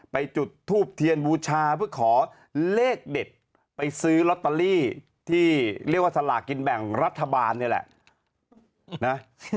จุดทูบเทียนบูชาเพื่อขอเลขเด็ดไปซื้อลอตเตอรี่ที่เรียกว่าสลากกินแบ่งรัฐบาลนี่แหละนะ